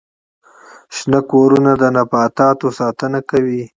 شنه کورونه د نباتاتو ساتنه کوي